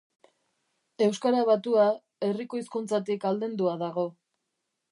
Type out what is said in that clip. Euskara batua herriko hizkuntzatik aldendua dago